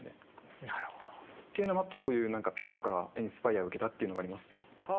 なるほど。っていうのもあってそういうなんかピアノからインスパイアを受けたっていうのがあります。